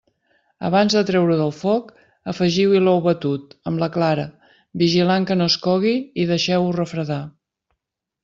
Abans de treure-ho del foc, afegiu-hi l'ou batut, amb la clara, vigilant que no es cogui i deixeu-ho refredar.